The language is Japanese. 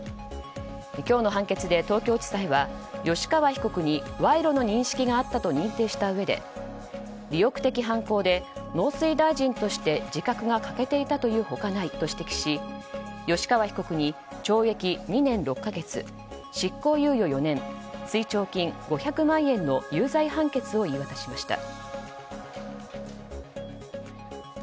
今日の判決で東京地裁は吉川被告に賄賂の認識があったと認定したうえで利欲的犯行で農水大臣として自覚が欠けていたというほかないと指摘し吉川被告に懲役２年６か月執行猶予４年追徴金５００万円の有罪判決を言い渡しました。